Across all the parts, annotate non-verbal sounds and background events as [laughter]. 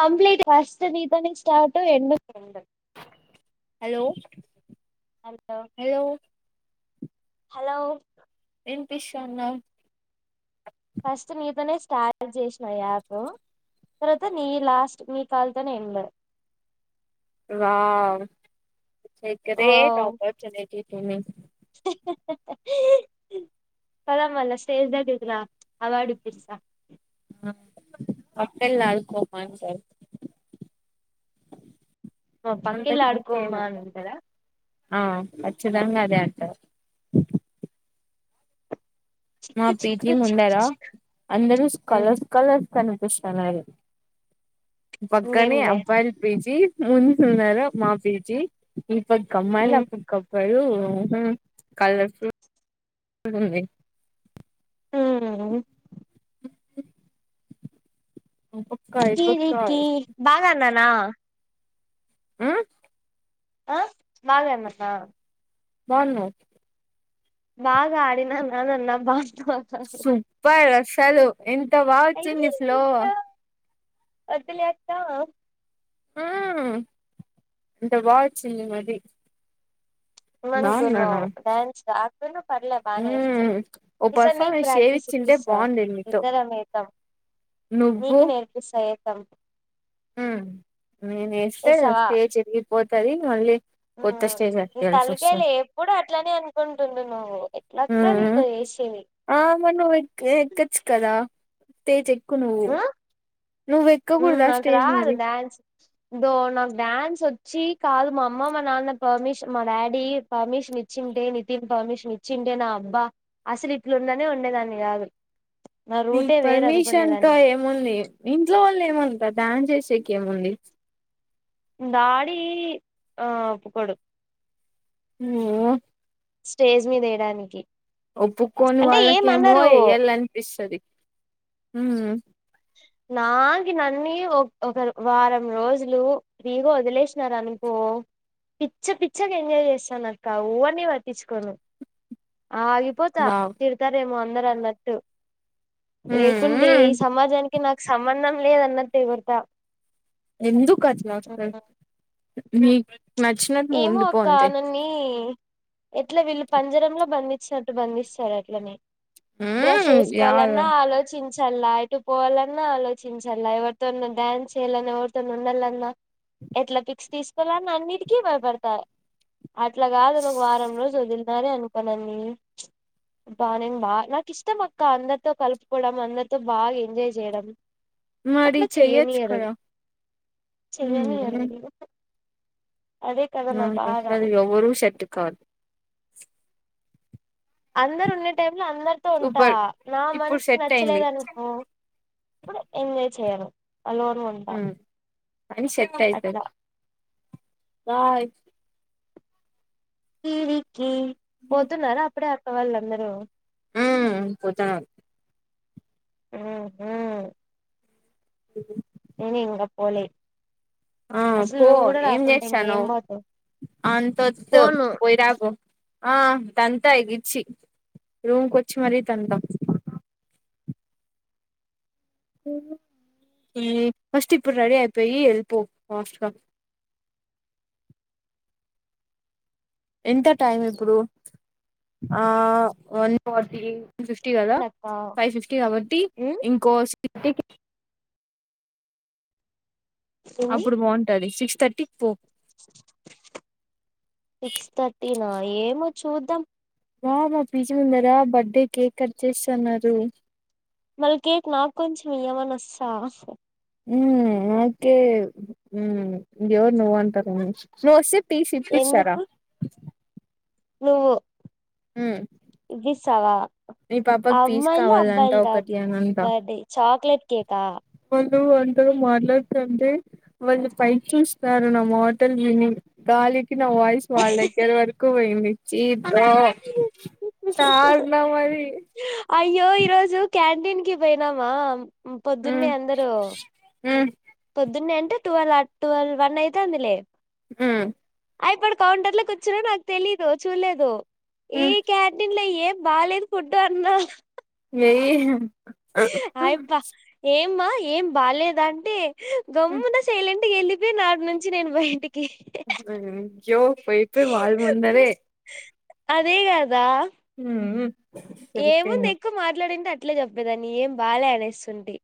Complete first మీతోనే start ending hello hello hello వినిపిస్తందా first నీతోనే స్టార్ట్ చేసిన యాప్ తర్వాత నీ లాస్ట్ ని కాల్తోనే end wow the great wow opportunity ఎన్ని పద మళ్ళ స్టేజ్ దగ్గరికి రా అవార్డు ఇప్పిస్తా పక్కకి వెళ్ళి ఆడుకోమ్మా అంటారు మా పక్కకెల్లి ఆడుకోమ్మంటదా ఆ ఖచ్చితంగా అదే అంటారు మా చిక్కు పిజీ చిక్కు చిక్కు ముందర చిక్కు అందరూ స్కలర్స్ కలర్స్ కనిపిస్తన్నారు పక్కనే ఇంకేంలే అబ్బాయిలు పీజి ఈద్ ముందుకు ఉన్నార మాఫీజీ [unintelligible] లు కలర్సు అ హు ఆ పక్క ఈ పక్క బాగన్నర్ నా హు ఆ బాగా అన్నానా బాగున్న బాగా ఆడిననా అనన్న బా సూపర్ అస్ సలు ఎం వా వచ్చిందిస్లో ఒద్దు లేక్క ఆ అంత బాగోచ్చింది మరి ఎం బాగున్నానా అనుకున్నావ్ డ్యాన్స్ రాకపోయినా పర్లే బానే ఎస్త మ్మ్ ఓ ఈసారి నిక్ పర్ఫార్మెన్స్ ప్రాక్టీీస్ చేయిచ్చింటే ఇప్పిస్తా బాగుండేది నీతో ఇద్దరమెద్దాం నికి నేర్పిస్తా ఎ సం హు నేనే ఏస్తే ఏస్తావా స్టేజ్ తిరిగిపోతది మళ్ళీ కొత్త స్టేజ్ అత్ తలకయాల లేపుడు అట్లనే అనుకుంటుండు నువ్వు హు ఎట్లక్క నీతో చేసేది ఆ మరి నువ్ ఎ ఎక్కోచ్చు కదా స్టేజ్ క్కు నువ్వు ఉమ్ నువ్వు ఎక్కకుడదా స్టేజ్ మరి ో నాకు డాన్స్ వచ్చి కాదు మా అమ్మ మా నాన్న పర్మిషన్ మా డాడీ పర్మిషన్ ఇచ్చింటే, నితిన్ పర్మిషన్ ఇచ్చింటే నా అబ్బా అసలు ఇట్లుందనే ఉండేదాన్ని కాదు నా నీ రూటే వేరు పర్మిషన్ అనుకునేదాన్ని త ఏముంది ఇంట్లో లెమంతా డ్యాన్స్ చేసేకేముంది డాడి ఆ ఒప్పుకోడు హ మ్ స్టేజ్ మీద వేయడానికి ఒప్పుకోొని అంటే వాళ్ళకేమో ఏమనరు ఇయ్యాలనిపిస్తది మ్ నాకు నన్నీ ఒక ఒక వారం రోజులు ఫ్రీగా వదిలేసినారు అనుకో పిచ్చ పిచ్చగా ఎంజాయ్ చేస్తానక్క ఎవర్ని పాటించుకోను ఆగిపోతా బావ్ తిర్తారేమో అన్ అందరన్నట్టు లేకుంటే ఈ ఉమ్మ్ సమ క్కి నాకు సంబంధం లేదన్నట్టు ఏగురుతా ఎందుకట్ల అసల్ మీ ఏమో అక్క నన్ని ఎట్లా వీళ్ళు పంజరంలో బంధ చ్చినట్టు బంధిస్తారు అట్లని డ్రస్ ఉమ్మ్ యాడ వేసుకోవాలన్నా ఆలోచించి అలా ఎటు పోవాలన్నా ఆలోచించాల ఎవరితో డ్యాన్స్ చేయాలని ఎవరితో ఉండాలన్నా ఎట్లా పిక్స్ తీసుకోవాల అన్నిటికీ కి భయ పడతాయి అట్లా కాదు ఒక వారం రోజు వొదుల్ నానే అనుకోనాను బాగా నేను బాగా నాకు ఇష్టం అక్క అందరితో కలుపుకోవడం అందరితో బాగా ఎంజాయ్ చేయడం మరి అట్లా చేయచ్చు చెయ్యనియరు కథ చెయ్యనియరు మ్మ్ అదే కదా న నా క బాధ అది ఎవ్వర షర్ట్ కాదు అందరు ఉండ టైం ఇంలు అందరితో ఉంటా సూపర్ నా ఇప్పుడు మనసుకి సెట్ అయింది నచ్చలేదు అనుకో ఇప్పుడు ఎంజోయ్ చేయను అలోరు ఉంటా మనిషక్కాయితే అట్లా బాయ్ ఈ రీ కి పోతున్నార అప్పుడే వాళ్ళందరూ ఆ పోతనా ఆ హ ఉ ఏను ఇంగ పోలే ఆ అసలు పో నువ్వు కూడా ఏం రాకుంటే ఇంకేం చేసానవ్ పోతావ్ అంత పోను పోయ్ రా పొ ఆ దంతా ఎగిచ్చి రూమ్కి వచ్చి మరీ తంతాం మ్ ఫస్ట్ ఇప్పుడు రెడీ అయిపోయి వెళ్పో ఫస్గా ఎంత టైం ఇప్పుడు ఆ వన్ ఫార్టీ ఫిఫ్టీ కదా అక్క ఫైవ్ ఫిఫ్టీ కాబట్టి ఉమ్ ఇంకో [unintelligible] ఎన్ని అప్పుడు బాగుంటది సిక్స్ థర్టీ సిక్స్ తర్టీ నా ఏమో చూద్దాం వా మా పీజ ముందరా బర్త్డే కేక్ కట్ చేస్తన్నారు మళ్ళ కేక్ నాకు కొంచం ఏమనిచ్చా ఉ ఓకే ఎవరు నువ్ అంటార నోసిప్ తీసి ఇప్ప ఇచ్చారా ఎందుకు నువ్వు హ్మ్ సవా అమ్మాయిల్దా కావాలంట అబ్బాయిల్దా ఒకటి అనంట బర్డే చాక్లేెట్ కేకా నువ్ వాంతో మాట్లాడుతుంటే వాళ్ళు పైకి చూస్తారు నా మాటల్ విని గాలి కి నా వాయిస్ వాల్ దగ్గర వరకు పోయి [unintelligible] హలో తారుణ మరి అయ్యో ఈరోజు క్యాంటీన్కి పోయినామా మ్మ్ పొద్దున్నే అందరు హ్మ్ పొద్దున్నే అంటే ట్వల్ ట్వల్ వన్ అయితాందిలే మ్ అయప్పడ కౌంటర్ లోకిచ్చినా నాకు తెలీయదు చూడ్లేదు. ఏ హ్మ్ క్యాంటన్లేయి ఏ బాలేదు ఫుడ్ అన్నా ఏయ్ అయప్ప ఏమ్ మ్మా ఏం బాలేదా అంటే గమ్మున సైలెంట్ వెళ్ళిపోయిన ఆటి నుంచి నేను బయటికి [unintelligible] జ్యో పోయిపోయి వాల్ ముందరే అదే గదా మ్ మ్మ్ ఏముంది ఎక్కువ మాట్లాడింటే అట్ ట్లే చెప్పేదాన్ని ఏం బాలే అనేస్తుంటి.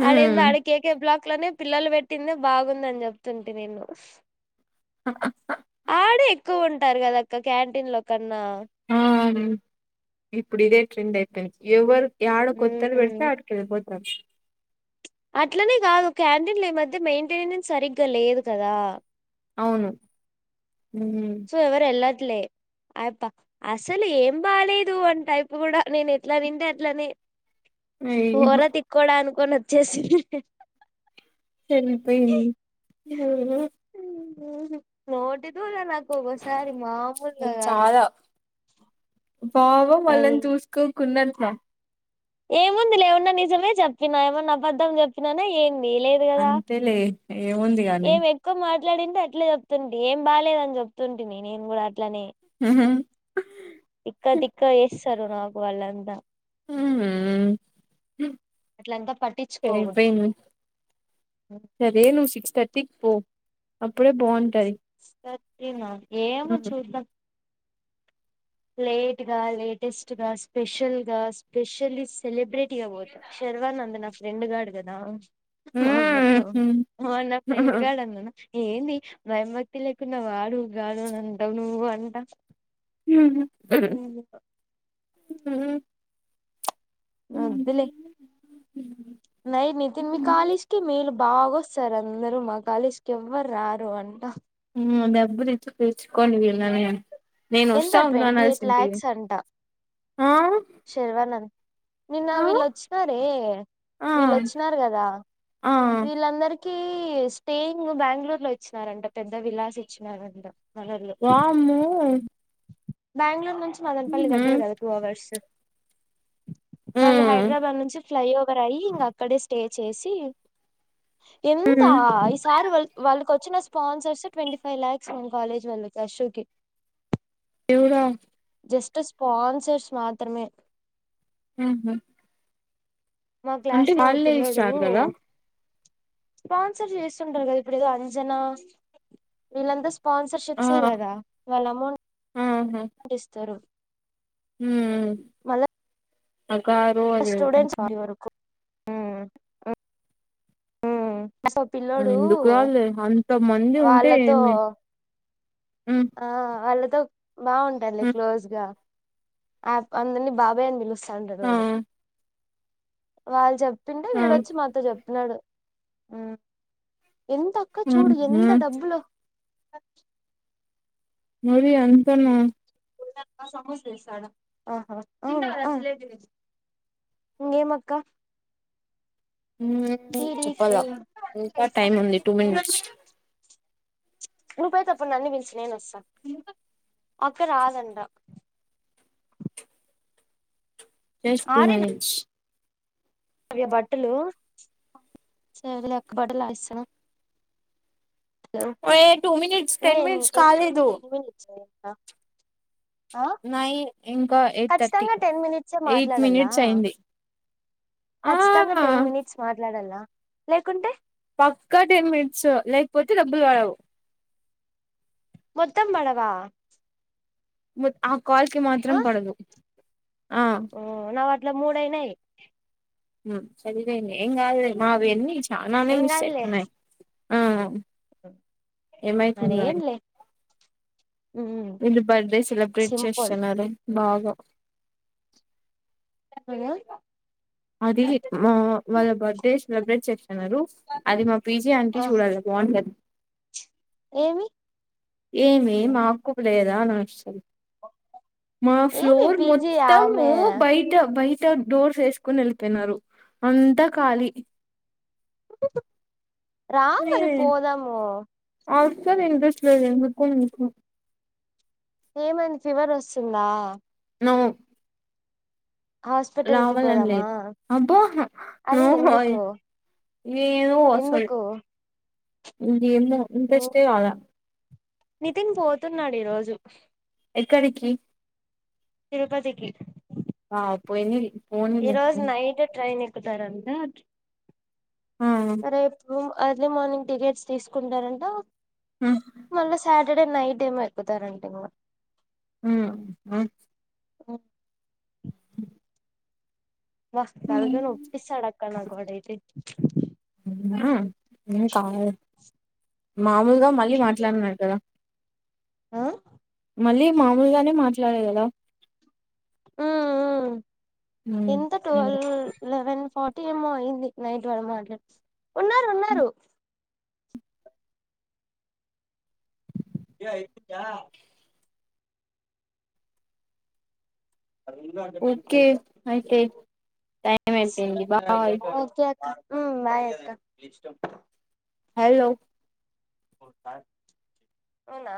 హ్మ్ అడేందడే కేకే బ్లాక్ అట్లనే పిల్లలు పెట్టింది బాగుందని చెప్తుంటి నేను ఆడే ఎక్కువున్ ంటారు కదా అక్క క్యాంటీన్లో క హాన్ మ్ ఇప్పుడు ఇదే ట్రెండ్ అయిపోయింది ఎవ్వరు యాడ కొత్తది వెడితే మ్మ్ ఆటికెళ్లిపో వర్ష్ ప్చ్ అట్లనే కాదు క్యాంటీన్లు ఈ మధ్య మెయింటెనెన్స్ సరిగ్గా లేదు కదా అవును హ్మ్ సో ఎవరు వెల్లర్ ట్లే అయప్ప అసలు ఏం బాలేదు అంటే ఆయిపు కూడా నేను ఎట్లా తింటే అట్లానే. పోర అయ్యో తిక్కోడాను కొని వచ్చేసింది ఎంతంయింద్ నూరు ఒకొకసారి మామూలుగా కాదు పావం అయి వాళ్ళని చూసుకో కుందంట్నే ఏముంది లే ఉన్నా నిజమే చెప్పినా ఏమన్నా అబద్ధం చెప్పినాన ఏమి అంతే లే ఏముంది గాని ఈడుంటే అట్లే చెప్తుంటే ఏం బాలేదు అని చెప్తుంటీని నేను కూడా అట్లనే ఉహు ఇస్తారు నాకు వాళ్ళంతా అవునా అట్లంతా సరే పట్టించుకోకూడదు ఇప్పుడేమి మరేమో సిక్స్ థర్టీ కిపో అప్పుడే బోన్ టాది తెచ్చిన ఏమో చూద్దాం లేట్ గా, లేటెస్ట్ గా స్పెషల్ గా స్పెషల్లీ సెలబ్రిటీ గా పోత శర్వానంద్ నా ఫ్రెండ్ గాడు కదా. అమ! ! ! ! ! ! ! ! ! ! నా ఫ్రెండ్గాన్నానా ఏంది మెడ నొప్పి లేకున్నా వాడు గాడుని అంటావు నువ్వు అంటా ఉహు ఆహ వద్దులే నై నితిన్ మీ కాలేజ్ కి మేలు బాగొస్తారు అందరూ మా కాలెజ్ కి ఎవ్వరు రారు అంట మ్ డబ్బులు ఇచ్చి పుచ్చుకొని వెల్లవే నేను ఎంత వస్తా ఉండు ట్వంటీ ఎయిట్ అనాల్సింది లాక్స్ అంట శర్వానంద్ నిన్న ఆ వీళ్ళొచ్చినారే ఆ వీళ్ళొచ్చినారు కదా ఆ వీళ్ళందరిక్ హె స్టేయింగ్ బెంగళూరు లో ఇచ్చినారంట పెద్ద విలాస్ ఇచ్చినారంట. మనోళ్ళు రాము బెంగళూరు నుంచి మదనపల్లి దగ్గర కదా టూ అవర్స్ వాళ్ళు హైదరాబాద్ నుంచి ఫ్లై ఓవర్ అయి ఇంక అక్కడే స్టే చేసి ఎంత ఈ సారి వల్ వ వచ్చిన స్పాన్సర్స్ ట్వంటీ ఫైవ్ లాక్స్ మన కాలేజ్ వళ్ళకి అస్సుకి ఎవడ జస్ట్ స్పన్సర్స్ మాత్రమే ఊహ మా క్లాస్ లో పిల్లోడు ఇస్తారు కదా స్పాన్సర్ చేస్తుంటారు కదా ఇప్పుడు ఏదో అంజనా వీళ్ళంతా ఆ స్పాన్సర్షిప్సే కదా వాళ్ళ అమౌంట్ డిస్తారు హ ఆ కారు ఆ ఉమ్ ఎందుకు రాలే అంత మంది ఉంటే వాళ్ళతో ఏమి ఆ అలా త బాగుంటంది క్లోజ్ గా ఆ అందరినీ బాబాయ్ అని పిలుా స ఉంటాడు ఆ వాడు వాళ్ళ జబ్ చెప్పింటే ఆ వీడొచ్చి మాతో చెప్న్నాడు ఆ ఎంత అక్క చూడు ఊహూ ఎంత డబ్బులు అ మరి అంతన ఇ ఏం అక్క చెప్పాలా ఇంకా టైమ్ ఉంది టూ మినిట్స్ నువ్ పోయిటపుడు నన్ని పిలుచు వస్తాను అక్క రాదంటా జస్ట్ టూ మినిట్స్ అ బట్టలు [inaudible] బట్టలు ఇస్తాను ఏ టూ మినిట్స్ టెన్ మినిట్స్ ఎన్ని కాలేదు ఎన్ని మినిట్స్ ఆ ఇంకా నయి ఇ ఖచ్చితంగా టెన్ మినిట్సే మాట్లాడలా మినిట్స్ అయింది ఆ కఖచ్చితంగా టెన్ మినిట్స్ మాట్లాడలా లేకుంటే పక్కా టెన్ మినిట్స్ లేకపోతే డబ్బులు పడవు మొత్తం పడవ ఆ కాల్ కి మాత్రం పడదు ఆ ఓ నావ ఇట్లా మూడయినాయి హ చరవేని ఏం కావు లే చనానే మిస్ అయితునై అరే ఏం లే వీళ్లు బర్త్డే సెలబ్రేట్ సింపుల్ చేస్తాన్నారు బాగా లియా అది ఓ వాళ్ళ బర్త్డే సెలబ్రేట్ చేస్త అన్నారు అది మా పీజీ ఆ అంటి చూడాలి బాగుంటది ఏమి ఏమి మాకు ప లేడ్ ఇదా నకిషెల్ మా ఏమి ఫ్లోర్ పీజీ మొత్తము ఆమె బయట బాయ్ అంత డోర్స్ వేసుకుని వెళ్ళి పోయినారు, అంతా ఖళీ రామరి పోదాము సార్ ఇస్ట్ లేకు కుంట ఏమంది ఫీవర్ వస్తుందా నో హాస్పిటల్ కి రావాలని పోదామా లేదు అబ్బో అదే నొవ్వై ఎందుకు ఏదో వస్తాది ఎందుకు హ్మ్ ఏమో ఇంట్రెస్ట్ ఎ కాల నితిన్ పోతున్నాడు ఈ రోజు ఎక్కడికి తిరుపతికి ఆ పోయినిరి ఈ రోజు నైట్ ట్రైన్ ఎక్క్ ఒక్కటరంత ఆ సరే ఇప్పుడు ఎర్లీ మార్నింగ్ టికెట్స్ తీసుకుంటారంట ఆ మల్ల సాట్ సటర్డే నైట్ ఏమో వెళ్ళిపోతారంట ఇంగ హమ్ హ్మ్ ఓ వా తలకాయ ఉమ్ నొప్పిస్తదక్క నాకు వాడు ఐతే ఇంకా మామూలుగా మళ్ళీ మాట్లాడున్నార కదా ఆ మళ్ళీ మామూలుగానే మాట్లాడేదు కదా ఆ ఆ ఎంత టువల్ లెవెన్ ఫార్టీ ఏమో అయింది. నైట్ వాళ్లు మాట్లాడ్ ఉన్నారు. ఉన్నారు ఏ అయితుందా ఓకే అయితే టైం స్ అయిపోయింది బాయ్ ఒకే ఒక్ హ్మ్ బాయ్ అక్క హలో అవునా